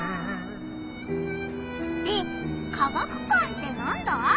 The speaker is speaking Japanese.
で科学館ってなんだ？